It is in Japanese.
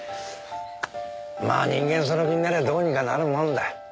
まあ人間その気になりゃどうにかなるもんだ。